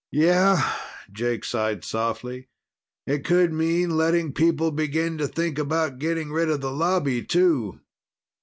"Yeah." Jake sighed softly. "It could mean letting people begin to think about getting rid of the Lobby, too.